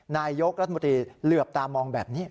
นายกรัฐมนตรีเหลือบตามองแบบนี้